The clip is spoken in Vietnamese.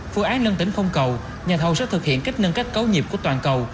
phương án nâng tỉnh không cầu nhà thầu sẽ thực hiện cách nâng cách cấu nhịp của toàn cầu